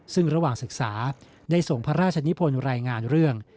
ซึ่งระหว่างศึกษาได้ส่งพระราชนิพลรายงานเรื่อง